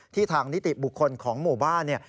ทางนิติบุคคลของหมู่บ้าน